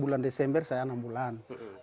bulan desember saya enam bulan